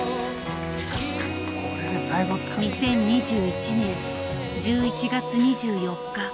２０２１年１１月２４日。